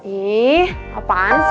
ih apaan sih